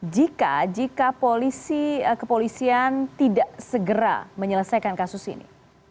jika polisi kepolisian tidak segera menyelesaikan kasus ini